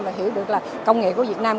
và hiểu được là công nghệ của việt nam